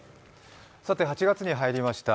８月に入りました。